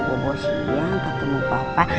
pobos siang ketemu papa